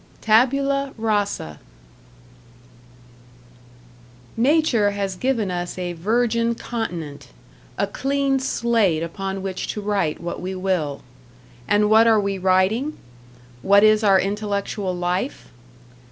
#Tabula Rasa# Nature has given us a virgin continent, a clean slate upon which to write what we will. And what are we writing? What is our intellectual life?